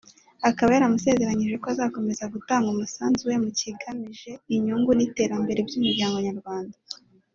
akaba yanamusezeranyije ko azakomeza gutanga umusanzu we mu kigamije inyungu n’iterambere by’umuryango nyarwanda